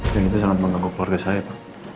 yang itu sangat mengganggu keluarga saya pak